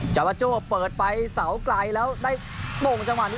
จาวาโจ้เปิดไปเสาไกลแล้วได้โป่งจังหวะนี้